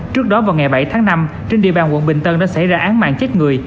trước đó vào ngày bảy tháng năm trên địa bàn quận bình tân đã xảy ra án mạng chết người